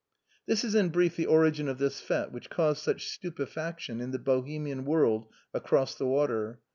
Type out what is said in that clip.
This is in brief the origin of this fête which caused such stupefaction in the Bohemian world across the water.